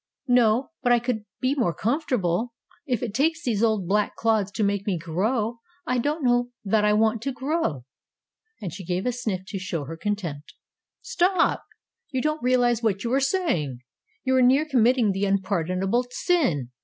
"No, but I could be more comfortable. If it takes these old black clods to make me grow I don't know that I want to grow," and she gave a sniff to show her contempt. "Stop! You don't realize what you are saying! You are near committing the unpardonable sin.